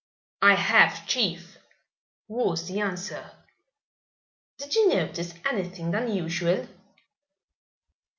"I have, chief," was the answer. "Did you notice anything unusual?"